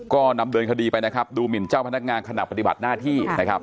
ก็นำเดินคดีไปนะครับดูหมินเจ้าพนักงานขณะปฏิบัติหน้าที่นะครับ